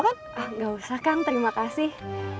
ah gak usah kang terima kasih